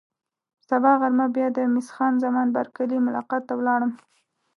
سبا غرمه بیا د مس خان زمان بارکلي ملاقات ته ولاړم.